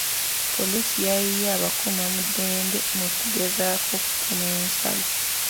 Poliisi yayiye abakuumaddembe mu kugezaako okukuuma ensalo.